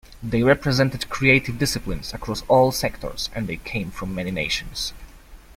They represented creative disciplines across all sectors, and they came from many nations.